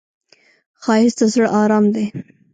ښایست د زړه آرام دی